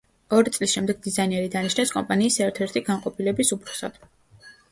ორი წლის შემდეგ დიზაინერი დანიშნეს კომპანიის ერთ-ერთი განყოფილების უფროსად.